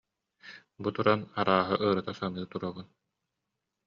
Бу туран арааһы ырыта саныы турабын